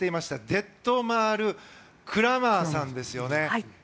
デットマール・クラマーさんですよね。